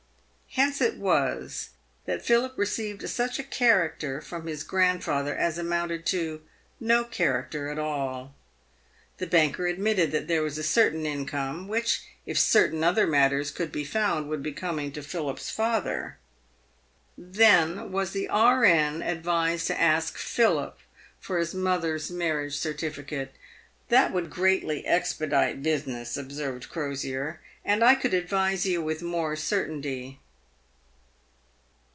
Hence it was that Philip received such a character from his grand father as amounted to no character at all. The banker admitted that there was a certain income, which, if certain other matters could be found, would be coming to Philip's father. Then was the E.N. ad vised to ask Philip for his mother's marriage certificate. " That would greatly expedite business," observed Crosier, " and I could ad vise you with more certainty."